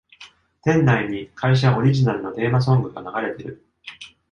店内に会社オリジナルのテーマソングが流れてる